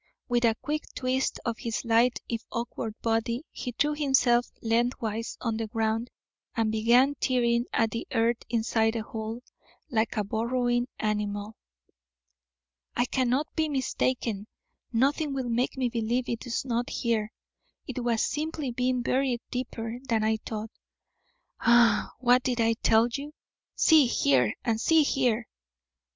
With a quick twist of his lithe, if awkward, body, he threw himself lengthwise on the ground, and began tearing at the earth inside the hole, like a burrowing animal. "I cannot be mistaken. Nothing will make me believe it is not here. It has simply been buried deeper than I thought. Ah! What did I tell you? See here! And see here!"